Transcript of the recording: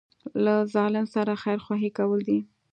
له ظالم سره خیرخواهي کول دي.